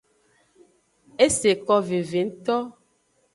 Eseko veve ngto.